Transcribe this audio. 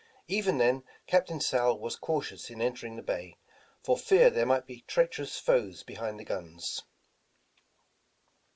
Even then Captain Sowle was cautious in entering the bay, for fear there might be treacherous foes behind the guns.